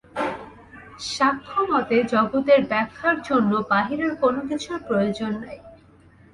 সাংখ্যমতে জগতের ব্যাখ্যার জন্য বাহিরের কোনকিছুর প্রয়োজন নাই।